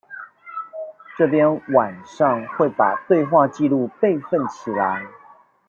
這邊晚上會把對話記錄備份起來